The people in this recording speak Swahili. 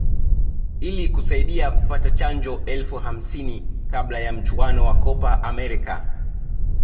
ili kusaidia kupata chanjo elfu hamsini kabla ya mchuano wa Copa America